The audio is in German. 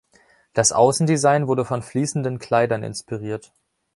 Das Außendesign wurde von fließenden Kleidern inspiriert.